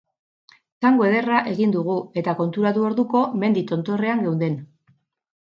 Txango ederra egin dugu eta konturatu orduko mendi tontorrean geunden.